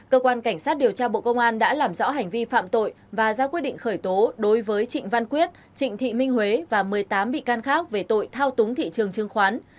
cơ quan cảnh sát điều tra bộ công an đã làm rõ hành vi phạm tội và ra quyết định khởi tố đối với trịnh văn quyết trịnh thị minh huế và một mươi tám bị can khác về tội thao túng thị trường chứng khoán